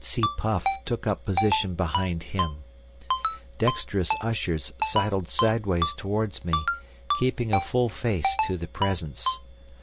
Tsi puff took up a position behind him. Dexterous ushers sidled sideways towards me, keeping a full face to the Presence.